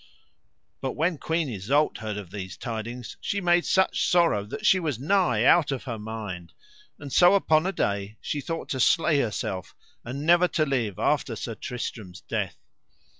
But when Queen Isoud heard of these tidings she made such sorrow that she was nigh out of her mind; and so upon a day she thought to slay herself and never to live after Sir Tristram's death.